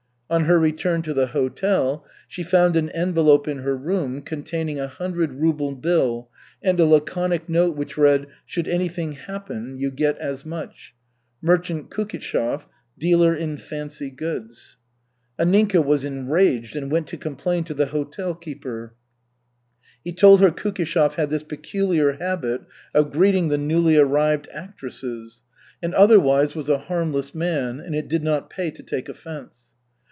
On her return to the hotel, she found an envelope in her room containing a hundred ruble bill and a laconic note which read: "Should anything happen, you get as much. Merchant Kukishev, dealer in fancy goods." Anninka was enraged and went to complain to the hotel keeper. He told her Kukishev had this peculiar habit of greeting the newly arrived actresses, and otherwise was a harmless man and it did not pay to take offence.